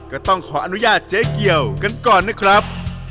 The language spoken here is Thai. ก็ต้องขออนุญาตเจ๊เกียวกันก่อนนะครับ